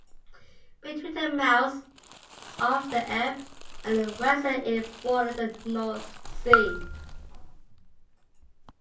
Between the mouths of the Elbe and the Weser it bordered the North Sea.